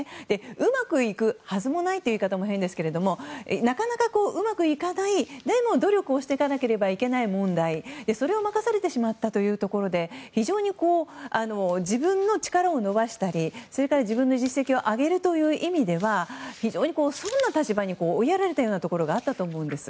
うまくいくはずもないという言い方も変ですがなかなかうまくいかないでも努力をしていかないといけない問題、それを任されてしまったということで非常に自分の力を伸ばしたり自分の実績を上げるという意味では非常に損な立場に追いやられたところがあったと思うんです。